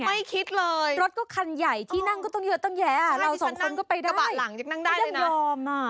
พาเราไปด้วยไงรถก็คันใหญ่ที่นั่งก็ต้องเยอะต้องแยะอ่ะเราสองคนก็ไปได้ไม่ได้ยอมอ่ะ